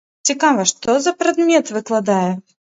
Цікава, што за прадмет выкладае?